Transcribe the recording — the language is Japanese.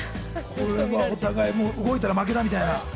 お互い動いたら負けだみたいな。